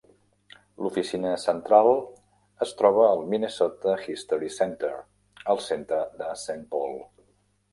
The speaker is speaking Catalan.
L'oficina central es troba al Minnesota History Center, al centre de Saint Paul.